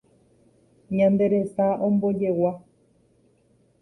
Ñande resa ombojegua